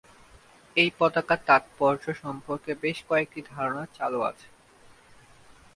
এই পতাকার তাৎপর্য সম্পর্কে বেশ কয়েকটি ধারণা চালু আছে।